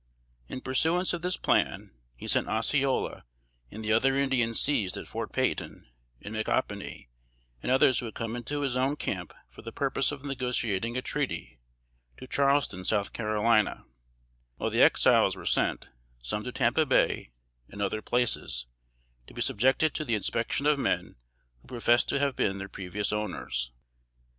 In pursuance of this plan, he sent Osceola and the other Indians seized at Fort Peyton; and Micanopy, and others who had come into his own camp for the purpose of negotiating a treaty, to Charleston, South Carolina; while the Exiles were sent, some to Tampa Bay and other places, to be subjected to the inspection of men who professed to have been their previous owners.